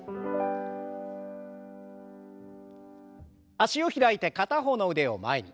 脚を開いて片方の腕を前に。